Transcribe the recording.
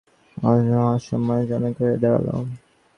ব্যাপারটা লাবণ্যর কাছে বিস্বাদ ও অসম্মানজনক হয়ে দাঁড়াল।